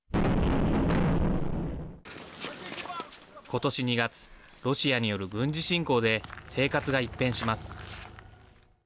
今年２月、ロシアによる軍事侵攻で生活が一変します。